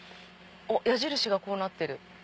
矢印がこうなってる。